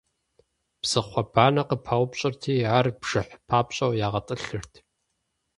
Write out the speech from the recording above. Псыхъуэ банэ къыпаупщӀырти, ар бжыхь папщӀэу ягъэтӀылъырт.